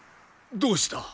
どうした？